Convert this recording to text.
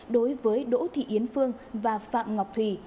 đối với đỗ thị yến phương và phạm ngọc thùy